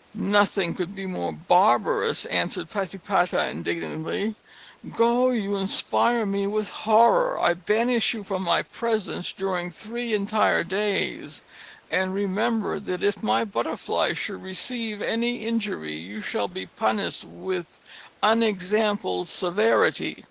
"Nothing could be more barbarous!" answered Patipata indignantly. "Go, you inspire me with horror; I banish you from my presence during three entire days, and remember, that if my butterfly should receive any injury, you shall be punished with unexampled severity!"